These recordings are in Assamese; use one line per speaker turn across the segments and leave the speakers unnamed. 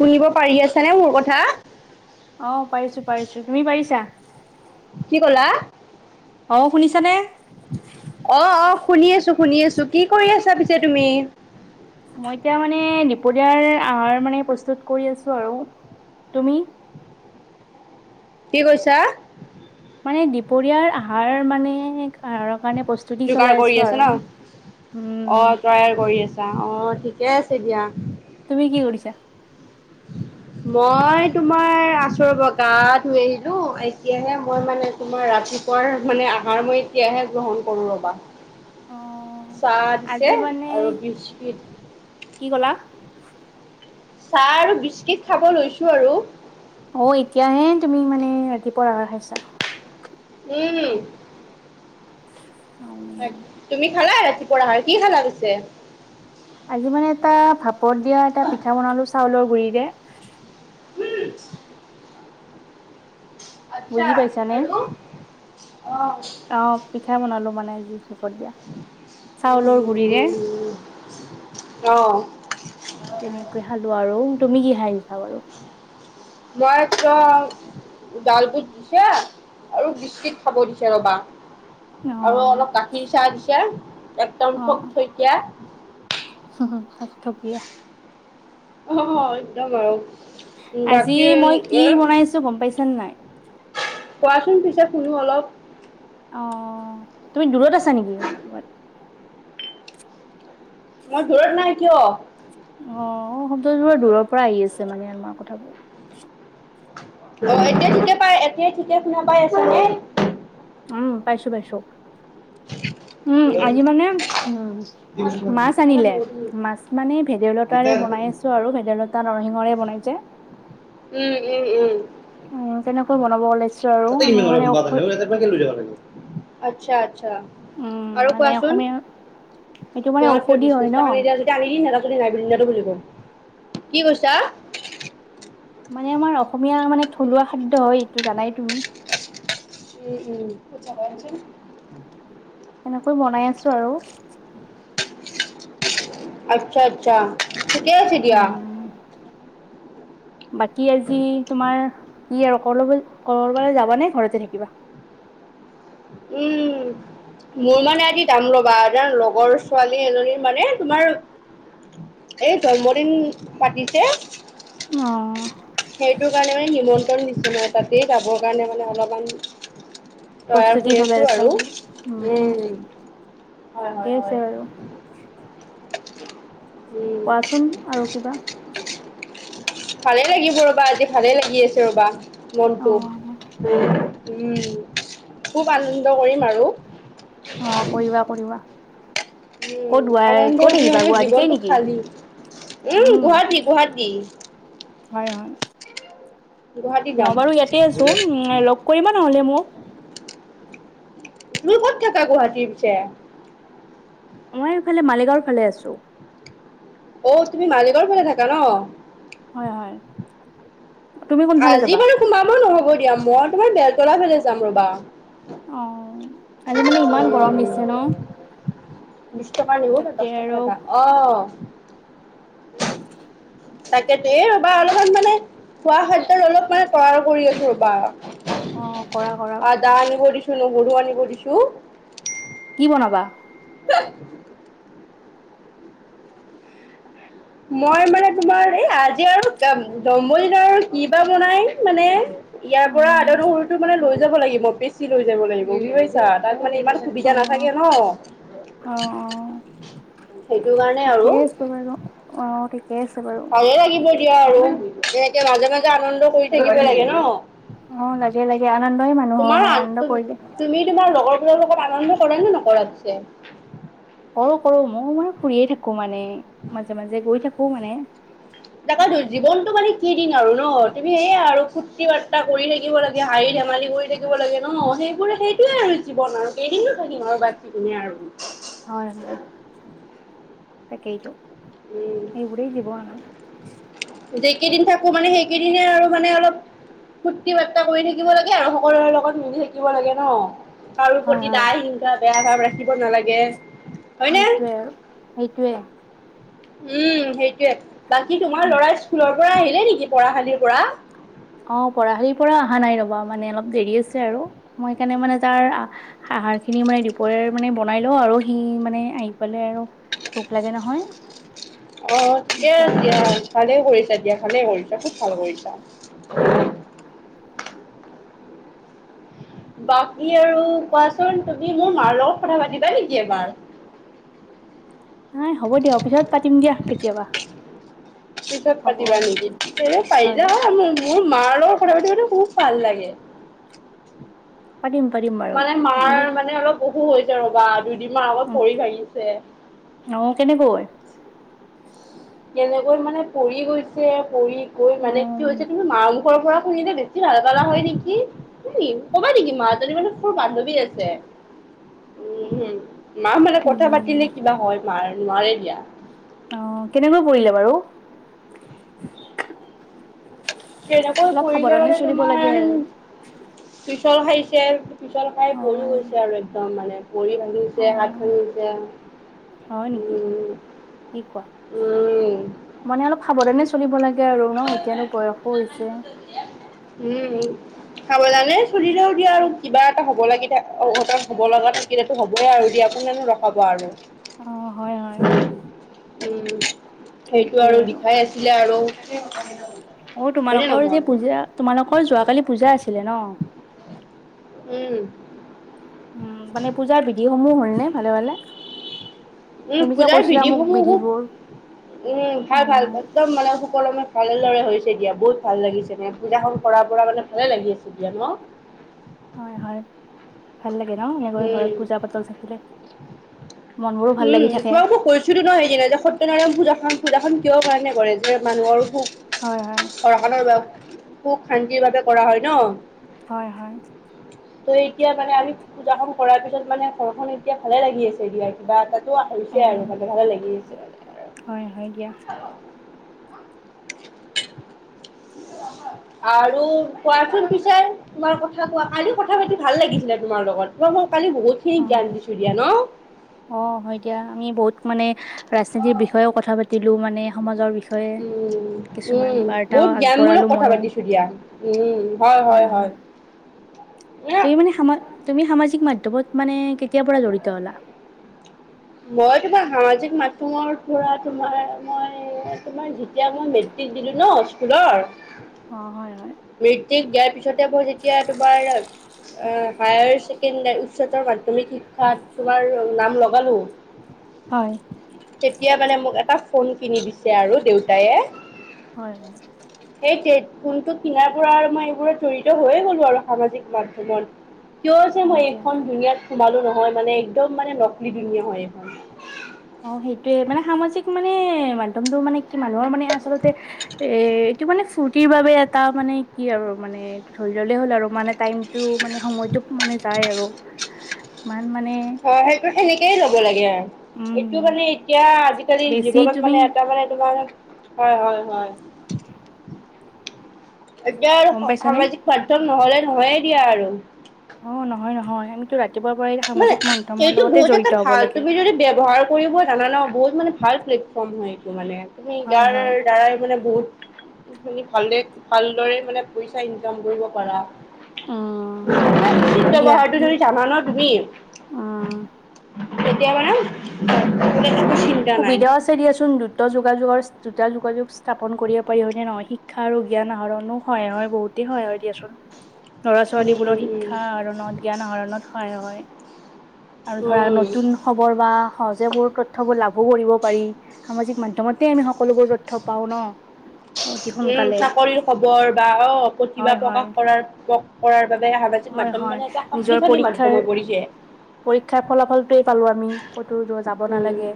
শুনিব পাৰি আছে নে মোৰ কথা?
অ পাৰিছো পাৰিছো তুমি পাৰিছা?
কি কলা
অ' শুনিছানে?
অ অ শুনি আছো শুনি আছো কি কৰি আছা পিছে তুমি
মই এতিয়া মানে দুপৰীয়াৰ আহাৰ মানে প্ৰস্তুত কৰি আছো আৰু তুমি
কি কৈছা?
মানে দুপৰীয়াৰ আহাৰ মানে আহাৰৰ কাৰণে প্ৰস্তুতি চলাই
যোগাৰ কৰি
আছো
আছে
আৰু।
ন
উম
অ তৈয়াৰ কৰি আছে অ ঠিকে আছে দিয়া
তুমি কি কৰিছা?
মই তোমাৰ আছো ৰব গা ধুই আহিলো এতিয়াহে মই মানে তোমাৰ ৰা ৰাতিপুৱাৰ মানে, আহাৰ মই এতিয়াহে গ্ৰহণ কৰো ৰবা।
অ'হ।
চাহ দিছে আৰু বিস্কিট
কি কলা
চাহ আৰু বিস্কিট খাব লৈছো আৰু
অ' এতিয়াহে তুমি মানে ৰাতিপুৱাৰ আহাৰ খাইছা।
উম তুমি খালা ৰাতিপুৱাৰ আহাৰ, কি খালা পিছে?
আজি মানে এটা ভাপত দিয়া এটা পিঠা বনালো চাউলৰ গুৰিৰে
উ [inaudible]
বুজি পাইছানে
আৰু
অ পিঠা বনালো মানে আজি ভাপত দিয়া, চাউলৰ গুৰিৰে
অ
তেনেকৈ খালো আৰু তুমি কি খাই আহিছা বাৰু
মইতো ডাল বুট দিছে আৰু বিস্কিত খাব দিছে ৰবা আৰু
অ',
অলপ গাখীৰ চাহ দিছে একদম থোক থুইকীয়া
উ [unintelligible]
অ একদম আৰু
আজি
বাকী
মই কি
এ
বনাইছো, গম পাইছা নে নাই।
কোৱাচোন পিছে শুনো অলপ।
অহ' তুমি দূৰত আছা নেকি, কবাত।
মই দূৰত নাই। কিয়?
অহ' শব্দবোৰ দূৰৰ পৰা আহি আছে মানে আৰু তোমাৰ কথাবোৰ।
অহ' এতিয়া ঠিকে পাই, এতিয়াই ঠিকে শুনা পাই আছা নে।
উম' পাইছো, পাইছো।
[inaudible]
উম'। আজি মানে উম'। মাছ আনিলে মাছ মানে ভেদাইলতাৰে বনাই আছো আৰু ভেদাইলতা নৰসিংহৰে বনাইছে। [unintelligible]
উম উম উম।
উম তেনেকৈ বনাব ওলাইছে
আটচা। আচ্ছা।
উম,
আৰু
মানে
কোৱাচোন।
অসমীয়া এইটো মানে
লাষ্ট তই
ঔষধি
বিশ
হয়
দশ টাকা
ন'
আনি দিয়া যদি আনি দি নেদা যদি নাই। নেদো বুলি কয়। কি কৈছা?
মানে আমাৰ অসমীয়া মানে, থলুৱা খাদ্য হয় এইটো জানাই তুমি।
উম উম।
এনেকৈ বনাই আছো আৰু।
আচ্ছা, আচ্ছা। ঠিকে আছে দিয়া।
উম বাকী আজি, তোমাৰ। কি আৰু কলৈ গ'ল। কবাৰফালে যাবা নে, ঘৰতে থাকিবা।
উম' মোৰ মানে। বা এটাৰ লগৰ ছোৱালী এজনীৰ মানে তোমাৰ। [unintelligible] এই জন্মদিন পাতিছে।
অ
সেইটো কাৰণে মানে নিমন্ত্ৰণ দিছো, মই তাতেই যাবৰ কাৰণে মানে অলপমান। তৈয়াৰ
প্ৰস্তুতি
কৰি
চলাই
আছো
আছা
আৰু।
উম
উম'। হয়,
ঠিকে
হয়,
আছে
হয়।
বাৰু
উম
কোৱাচোন আৰু কিবা?
ভালে লাগিব ৰ'বা, আজি ভালে লাগি আছে ৰ'বা।
অ
মনটো উম,। উম' খুব আনন্দ কৰিম আৰু।
অ কৰিবা কৰিবা।
উম,
ক'ত ও আই,
আনন্দৰ
ক'ত আহিবা
অবিহনে
গুৱাহাটীতে
জীৱনটো
নেকি
খালী।
উম,।
গুৱাহাটী গুৱাহাটী।
হয় হয়।
গুৱাহাটী
মই
যাম।
বাৰু ইয়াতে আছো। উম' লগ কৰিবা নহ'লে মোক।
তুমি ক'ত থাকা, গুৱাহাটীৰ পিছে।
মই এইফালে, মালিগাঁওৰ ফালে আছো।
অহ' তুমি মালিগাঁওৰ ফালে থাকা ন।
হয়, হয়। তুমি কোনফালে যাবা
আজি বাৰু সোমাব নহব দিয়া মই তোমাৰ বেলতলা ফালে যাম ৰবা।
অহ' আজি মানে ইমান গৰম দিছে
উম,
ন।
বিশ টকাৰ ৰল
তাতে
দশ
আৰু
টকাৰ পাবা। অহ,। তাকেত এ ৰবা অলপমান মানে খোৱা খাদ্যয়ৰ অলপমান তৈয়াৰ কৰি আছো ৰবা।
অহ' কৰা, কৰা।
[unintelligible] গৰু আনিব দিছোঁ।
কি বনাবা।
[unintelligible] মই মানে তোমাৰ এই আজি আৰু জন্মদিন আৰু কি বা বনাই মানে ইয়াৰ
অ
পৰা আধাদূৰ সৰুতটো মানে লৈ যাব লাগিব বেছি লৈ যাব লাগিব বুজি পাইছা তাত মানে ইমান
অ
সুবিধা নাথাকে ন
অ অ
সেইটো কাৰণে আৰু।
ও ঠিকে আছে বাৰু।
এতিয়া আৰু এনেকে মাজে মাজে আনন্দ কৰি থাকিব লাগে ন
অ লাগে লাগে আনন্দই মানুহৰ
তোমাৰ
মানে আনন্দ কৰিলে
তুমি তোমাৰ লগৰ। তেওঁৰ লগত আনন্দ কৰে নে নকৰে
কৰো কৰো ময় মান ফুৰিয়ে থাকো মানে মাজে মাজে গৈ থাকো মানে।
তাক তো জীৱনতটো মানে কি দিন আৰু ন তুমি সেয়াই আৰু ফুৰ্তি বাৰ্তা কৰি থাকিব লাগে হাৰি থ ধেমালি কৰি থাকিব লাগে ন সেইবোৰ সেইটোয়ে আৰু জীৱন আৰু কেইদিনো থাকিম আৰু বাচি কিনে আৰু।
হয় হয় তাকেইতো।
উম
এইবৰে জীবন আৰু
যেই কেইদিন থাকো মানে সেইকেইদনে আৰু মানে অলপ। ফূৰ্তি বাৰ্তা কৰি থাকিব লাগে আৰু সকলোৰে লগত মিলি থাকিব লাগে ন কাৰো
হয়
প্ৰতি
হয়
দা হিংসা বেয়া ভাৱ ৰাখিব নালাগে হয়নে
সেইটোৱে আৰু সেইটোৱে।
উম সেইটয়ে বাকী তোমাৰ ল'ৰা স্কুলৰ পৰা আহিলে নেকি পঢ়াশালিৰ পৰা
অ' পঢ়া শালিৰ পৰা অহা নাই ৰ'বা মানে অলপ দেৰি আছে আৰু মই সেইকাৰণে মানে তাৰ আহাৰ খিনি মানে দুপৰ মানে বনাই ল আৰু সি মানে আহি পেলাই আৰু ভোক লাগে নহয়।
অ 'দিয়া
সেইকাৰণে
দিয়া ভালে কৰিছা বিয়াখনে হল তই খুব ভাল কৰিছা বাকী আৰু কোৱাচোন তুমি মোৰ মাৰ লগত কথা পাতিবা নেকি এবাৰ।
[inaudible] নাই হ'ব দিয়া অ পিছত পাতিম দিয়া কেতিয়াবা।
পিছত
হ'ব
পাতিবা নেকি পাৰি
হয় দিয়া
যাৰ মোৰ মাৰ তোৰ লগত কথা পাতি খুব ভাল লাগে
পাতিম পাতিম বাৰু
মানে
পিছলৈ
মাৰ মানে অলপ বহু হৈছে ৰবা দুদিমাহ আগত পৰি ভাঙিছে
অ কেনেকৈ
কেনেকৈ মানে পৰি গৈছে পৰি গৈ
অ
মানে কি হৈছে তুমি মা। কৰ পৰা শুনিলে বেছি ভাল পালা হয় নেকি ক'বা নেকি মাজনী মানে সৰু বান্ধৱী আছে উ হম মা মানে কথা
উম
পাতিলে কিবা হয় মাৰ নোৱাৰে দিয়া
অ' কেনেকৈ পৰিলে বাৰু
[inaudible] তেনেকৈ
অলপ
কৰিলে
সাৱধানে
মানে
চলিব
তোমাৰ
লাগে আৰু
পিছল খাৰি পিছে পিছল খাই
অ
পৰি গৈছে আৰু একদম মানে ভৰি
অ
ভাঙিছে হাত ভাঙিছে
হয় নেকি
উম
কি কোৱা
উম
মানে অলপ সাৱধানে চলিব লাগে। আৰু ন এতিয়ানো বয়সো হৈছে
খাব জানে চলিলেও দিয়া আৰু কিবা এটা হ'ব লাগি থাকহঁতৰ হ'ব লগা থাকিলেতো হ'বইে আৰু দিয়া কোনেনো ৰখাব আৰু।
অ', হয়, হয়,
উম সেইটো আৰু দিখাই আছিলে আৰু [inaudible]
অ
হয়নে
'তোমালোকৰ যে
নহয়
পূজা তোমালোকৰ যোৱাকালি পূজা আছিলে ন
উম
উম মানে পূজাৰ বিধিসমূহ হল নে ভালে ভালে
উম
তুমি যে
পূজাৰ
কৈছিলা
বিধি
মোক
সমূহ
বিধিবোৰ
খুব উম ভাল ভাল
অ',
একদম মানে সকলমে। ভালে দৰে হৈছে দিয়া বহুত ভাল লাগিছে নে পূজাখন কৰাৰ পৰা মানে ভালে লাগি আছে দিয়া ন'
হয় হয় ভাল লাগে ন এনেকৈ
উম
ঘৰত পূজা পাতল থাকিলে। মন বোৰো ভাল
উম
লাগি থাকে।
খোৱা বোৱা কৈছিলো ন সেইদিনা যে সত্যনাৰায়ণ পূজা খাম যোগাসন কিয় কাৰণে কৰে যে মানুহৰ
হয়, হয়,
সুখ ঘৰখনৰ সুখ শান্তিৰ বাবে কৰা হয় ন'।
হয়, হয়।
ত' এতিয়া মানে আমি পূজাখন কৰাৰ পিছত মানে ঘৰখন এতিয়া ভালে লাগি আছে দিয়া কিবা এটা লোৱা হৈছে
উম,
আৰু ভালে ভালে লাগি আছে। [inaudible]
হয়, হয়, দিয়া [unintelligible]
আৰু, কোৱাচোন পিছাই তোমাৰ কথা কোৱা কালি কথা পাতি ভাল লাগিছিলে তোমাৰ লগত ম কালি বহুত খিনি জ্ঞান
অ'।
দিছো দিয়া ন।
অ', হয় দিয়া আমি বহুত মানে, ৰাজনীতিৰ বিষয়েও কথা প দিলো মানে সমাজৰ বিষয়ে,
উম,
কিছুমান
উম,
বাৰ্তাও
বহুত জ্ঞানমূলক
আগবঢ়ালো
কথা
ময়ও
পাতিছো দিয়া উম, হয় হয় হয়। এ
তুমি মানে তুমি সামাজিক মাধ্যমত মানে কেতিয়াৰ পৰা জড়িত হ'লা।
মই তোমাৰ সামাজিক মাধমৰ পৰা তোমাৰ মই তোমাৰ যেতিয়া মই। দিলো ন' স্কুলৰ।
অ', হয়, হয়,
মৃতিক দিয়াৰ পিছতে মই যেতিয়া তোমাৰ। হায়াৰ ছেকেণ্ডাৰী উচ্চতৰ মাধ্্যমিক শিক্ষাত তোমাৰ নাম লগালো।
হয়।
তেতিয়া মানে মোক এটা ফোন কিনি দিছে আৰু দেউতায়ে
হয় হয়।
এই ফোনটো কিনাৰ পৰা আৰু মই এইবোৰত জড়িত হৈয়ে গলো আৰু সামাজিক মাধ্যমত। কিয় যে,
হয়
মই
দিয়া।
এইখন দুুনীয়াত সোমালো নহয় মানে একদম মানে নকললি ধুনীয়া হয় এইখন‌
অ সেইটোয়ে মানে সামাজিক মানে মাধমটো মানে কি মানুহৰ মানে আচলতে এহটো মানে ফুৰ বাবে এটা মানে কি আৰু মানে এইটো ধৰি ললেই হ'ল আৰু মান টাইমতটো মানে সময়তটো মানে যায় আৰু ম
অ সেইটো সেনেকেই ল'ব লাগে আৰু।
উম,
এইটো মানে এতিয়া আজিকালি
বেছি
জীৱনত
তুমি
মানে এটা মানে। হয় হয় হয়।
উ।
এতিয়া আৰু সামাজিক মাধ্্যম নহলে নহয়ে দিয়া আৰু
অ' নহয় নহয় আমিতো ৰাতি-
মানে এইটো বহুত এটা
হ'ব
ভাল
লাগে।
তুমি যদি ব্ৱহাৰ কৰিব জানা ন বহুত মানে ভাল প্লেটফৰ্ম হয়। মানে তুমি
হয়,
গাৰ
হয়,
দ্বাৰাই মানে বহুত ি ভালে ভালদৰে মানে পইচা ইনকাম কৰিব পাৰা
উম,
কিন্ত
হয় দিয়া,
বহাৰটো ধৰি জানা ন তুমি?
উম।
কেতিয়া মানে? একো চিন্তা নাই।
সুবিধাও আছে দিয়াচোন। দুত যোগাযোগৰ দুটা যোগাযোগ স্থাপন কৰিব পাৰি হয়নে নহয় শিক্ষা আৰু জ্ঞান আহৰণো হয়হ বহুত। সহায় হয় দিয়াচোন ল'ৰা
উম
ছোৱালীবোৰত
উম
শিক্ষা আহৰণত জ্ঞান আহৰণত সহায় হয়। আৰু ধৰা
উম উম।
নতুন খবৰ বা সহজ বোৰ তথ্যবোৰ লাভ কৰিব পাৰি সামাজিক মাধ্যমতে আমি সকলোবোৰ যথ পাওঁ ন অতি
উম
সোনকালে
চাকৰিৰ খবৰ বা অ প্ৰতিভা
হয় হয়
প্ৰকাশ কৰাৰ কৰাৰ বাবেহ।
হয়
মাধম
হয়
মানেটা
নিজৰ
শক্তিশালী
পৰীক্ষাৰ
মাধ্যম হৈ পৰিছে।
পৰীক্ষাৰ ফলাফলটোৱেই পালো আমি ক'তো যাব
উম,
নালাগে।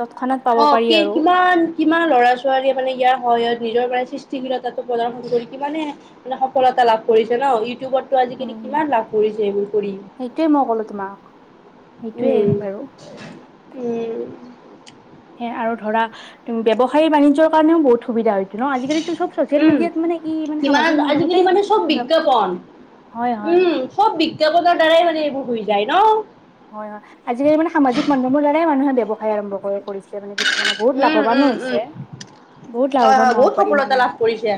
তৎক্ষণাত পাব
অ
পাৰি
কি
আৰু
কিমান কিমান লৰা ছোৱালীয়ে মানে ইয়াৰ সহত। নিজৰ মানে সৃষ্টিশীলতাটো প্ৰদৰ্শন কৰি কিমানে মানে সফলতা লাভ কৰিছে ন ইউটিউবত টো আজিকালি
উম
কিমান লাভ কৰিছে এইবোৰ কৰি।
সেইটোৱে মই ক'লো তোমাক
উম,
সেইটোৱে বাৰু।
উম।
সে আৰু ধৰা ব্যৱসায়িক বাণিজ্যৰ কাৰণেও বহুত সুবিধা ন' আজিকালিতো চব চচিয়েল
উম,
মিডিয়াত মানে কি, মানে
কিমান
সামাজিক
আজিকালি
মাধ্যমতেই
মানে চব বিজ্ঞাপন। উম, সব বিজ্ঞাপনৰ দ্বাৰাই মানে এইবোৰ হৈ যায় ন?
হয়, হয়, আজিকালি মানে সামাজিক মাধ্যমৰ দ্বাৰাই মানুহে ব্যৱসায় আৰম্ভ কৰে কৰিছে, মানে কিছু। মানে বহুত
উম,
লাভৱানো
উম, উম,
হৈছে, বহুত
হয়, হয়
লাভৱান হ'ব
বহুত
পাৰি
সফলতা
মানে।
লাভ কৰিছে।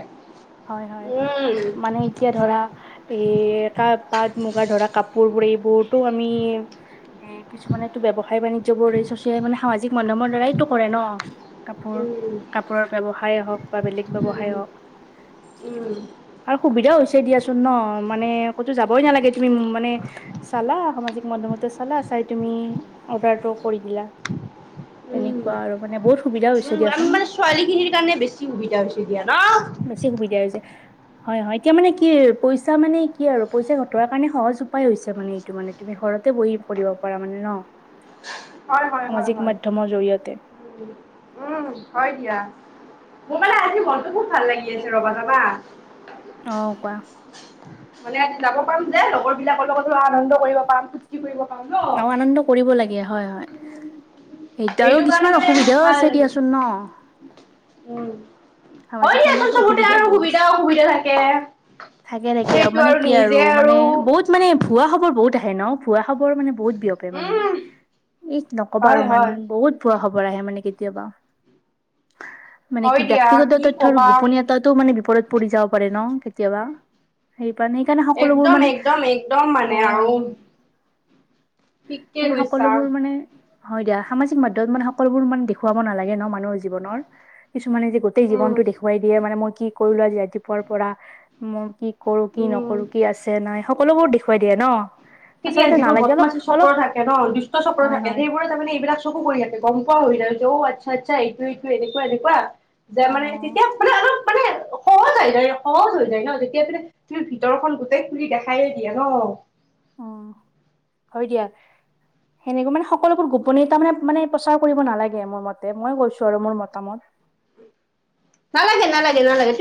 হয়, হয়,
উম।
মানে এতিয়া ধৰা, এই পাট মুগাৰ ধৰা কাপোৰ বোৰেই বহতো, আমি এ, কিছুমানে মটো ব্যৱসায়-বাণিজ্যবোৰ কৰে সামাজিক মাধ্যমৰ দ্বাৰাইটো কৰে ন? কাপোৰ,
উম, উম,
কাপোৰৰ ব্যয়ৱসায় হওঁক বা বেলেগ ব্যয়ৱসায় হওঁক।
উম,
আৰু সুবিধা হৈছে দিয়াচো। নহ মানে, ক'তো যাবই নালাগে। তুমি মানে, চালা সামাজিক। [unintelligible] চালা, চাই তুমি অৰ্ডাৰটো কৰি দিলা।
উম,
তেনেকুৱা আৰু মানে বহুত সুবিধা হৈছে দিয়াচোন
[unintelligible] মানে ছোৱালীখিনিৰ কাৰণে বেছি সুবিধা হৈছে দিয়া ন?
বেছি সুবিধা হৈছে। হয়, হয়। এতিয়া মানে কি পইচা মানে কি আৰু, পইচা ঘটোৱাৰ কাৰণে সহজ উপায় হৈছে, মানে এইটো, মানে। ঘৰতে বহি পঢ়িব পাৰা মানে ন'?
হয়, হয়, হয়,
সামাজিক
হয়।
মাধ্যমৰ জৰিয়তে
উম, হয় দিয়া। মোৰ মানে আজি মনটো খুব ভাল লাগি আছে ৰ'বা, জানা?
অ', কোৱা।
মানে, আজি যাব পাম যে, লগৰ বিলাকৰ লগতো আনন্দ কৰিব পাম, ফূৰ্তি কৰিব। পাম ন।
আৰু আনন্দ কৰিব লাগে, হয়, হয়। [unintelligible] আৰু
সেইটো কাৰণে
কিছুমান
মানে
অসুবিধাও
ভাল
আছে,
লাগে।
দিয়াচোন নহ?
উম, হয় দিয়াচোন চবতে
অসুবিধা
আৰু
বহুত
সুবিধা
আছে
অসুবিধা থাকে।
থাকে, থাকে। মানে কি আৰু, মানে বহুত, মানে ভুৱা খবৰ বহুত আহে। ন, ভুৱা খবৰ মানে বহুত বিয়পে মানে।
উম,
এই নক'বা, আৰু
হয়,
মানে
হয়।
বহুত ভুৱা খবৰ। [unintelligible] আহে মানে কেতিয়াবা। মানে কি
হয় দিয়া
ব্যক্তিগত
কি
তথ্যৰ
কবা
গোপনীয়তাটো মানে বিপৰীত পৰি যাব পাৰে নহ কেতিয়াবা, সেই। [unintelligible] সেইকাৰণে সকলোবোৰ
একদম,
মানে,
একদম, একদম
অ,
মানে আৰু ঠিকে
এনে
কৈছা
সকলোবোৰ মানে, হয় দিয়া, সামাজিক মাধ্যমত মানে সকলোবোৰ মানে দেখুৱাব নালাগে ন মানুহৰ জীৱনৰ। কিছুমানে যে গোটেই
উম।
জীৱনটো দেখুৱাই দিয়ে, মানে মই কি কৰিলোঁ, আজি ৰাতিপুৱাৰ পৰা মই কি? কৰোঁ কি,
উম।
নকৰোঁ কি, আছে নাই, সকলোবোৰ দেখুৱাই দিয়ে নহ?
তেতিয়া
আচলতে,
যিবোৰ
নালাগে
বদমাচি
অলপ।
চক্ৰ
অলপ
থাকে নহ, দুষ্ট চক্ৰ
হয়
থাকে।
হয়
সেইবোৰে তাৰমানে, এইবিলাক চকু কৰি থাকে গম। এনেকুৱা হয় ন, অ' আচ্ছা আচ্ছা এইটো এনেকুৱা, এনেকুৱা
অ
যে তেতিয়া আপোনাৰ আৰু অলপ মানে
[inaudible]
সহজ হৈ যায়, সহজ হৈ যায় ন, যেতিয়া পিনে তুমি ভিতৰখন গোটেই খুলি দেখায়ে দিয়ে ন।
অ', হয় দিয়া। সেনেকুৱা মানে সকলোবোৰ গোপনীয়তা, মানে মানে, প্ৰচাৰ কৰিব নালাগে মোৰ মতে। মই কৈছোঁ, আৰু মোৰ মতামত। [inaudible]
নালাগে, নালাগে, নালাগে।